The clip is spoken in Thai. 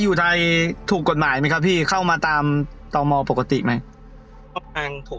สุดท้ายก็ไม่มีทางเลือกแต่มีทางเลือกที่ไม่มีทางเลือก